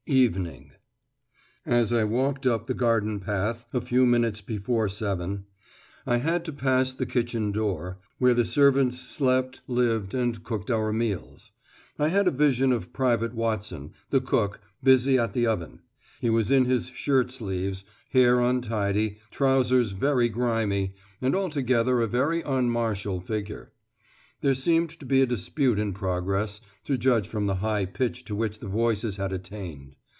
EVENING As I walked up the garden path a few minutes before seven, I had to pass the kitchen door, where the servants slept, lived, and cooked our meals. I had a vision of Private Watson, the cook, busy at the oven; he was in his shirt sleeves, hair untidy, trousers very grimy, and altogether a very unmartial figure. There seemed to be a dispute in progress, to judge from the high pitch to which the voices had attained.